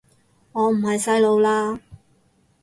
我唔係細路喇